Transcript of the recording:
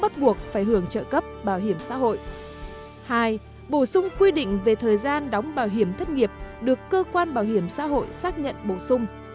hai bổ sung quy định về thời gian đóng bảo hiểm thất nghiệp được cơ quan bảo hiểm xã hội xác nhận bổ sung